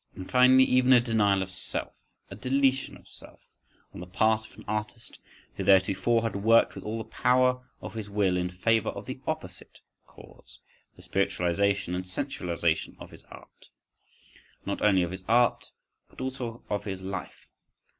And finally even a denial of self, a deletion of self, on the part of an artist who theretofore had worked with all the power of his will in favour of the opposite cause, the spiritualisation and sensualisation of his art? And not only of his art, but also of his life?